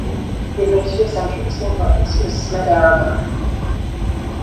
The administrative center of this smaller province was Smederevo.